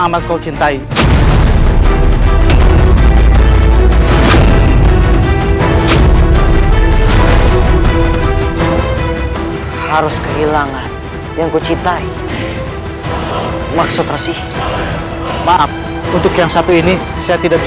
amat kau cintai harus kehilangan yang ku cintai maksud untuk yang satu ini saya tidak